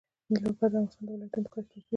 لوگر د افغانستان د ولایاتو په کچه توپیر لري.